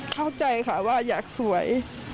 เข้าใจค่ะว่าอยากสวย